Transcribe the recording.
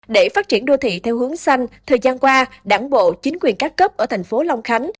để phát triển đô thị theo hướng xanh thời gian qua đảng bộ chính quyền các cấp ở thành phố long khánh